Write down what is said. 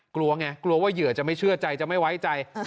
กลัวไงกลัวว่าเหยื่อจะไม่เชื่อใจจะไม่ไว้ใจ